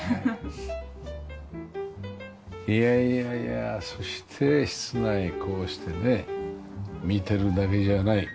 いやいやいやそして室内こうしてね見てるだけじゃない。